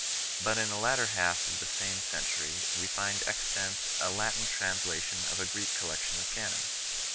But in the latter half of the same century we find extant a Latin translation of a Greek collection of canons 4